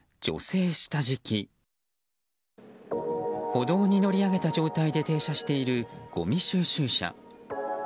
歩道に乗り上げた状態で停車しているごみ収集車。